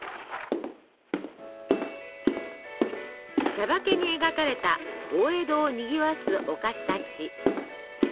「しゃばけ」に描かれた大江戸をにぎわすお菓子たち。